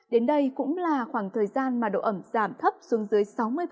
đến đây cũng là khoảng thời gian mà độ ẩm giảm thấp xuống dưới sáu mươi